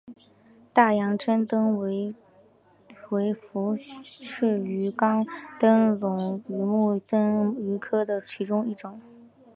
大洋珍灯鱼为辐鳍鱼纲灯笼鱼目灯笼鱼科的其中一种。